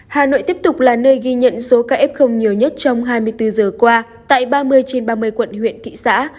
hà nội tiếp tục là nơi ghi nhận số ca f nhiều nhất trong hai mươi bốn giờ qua tại ba mươi trên ba mươi quận huyện thị xã